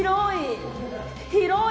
広い。